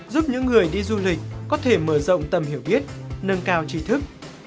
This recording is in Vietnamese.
giúp những người đi du lịch có thể mở rộng tầm hiểu biết nâng cao trí thức